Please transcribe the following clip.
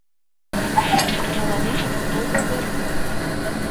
Мыланемак огыл дыр?..